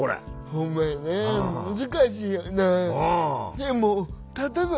ほんまやな難しいよなあ。